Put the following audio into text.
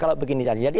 kalau begini saja